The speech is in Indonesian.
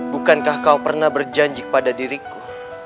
bukankah kau pernah berjanji pada diriku